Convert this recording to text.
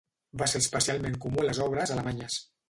Va ser especialment comú a les obres alemanyes.